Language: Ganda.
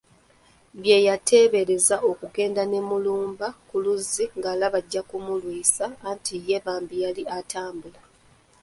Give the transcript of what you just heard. Bwe yateebereza okugenda ne Mulumba ku luzzi ng’alaba ajja kumulwisa anti ye bambi yali atambula